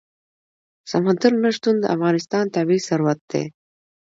سمندر نه شتون د افغانستان طبعي ثروت دی.